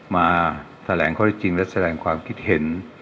มาแสดงความรู้จริงและแสดงความคิดเห็น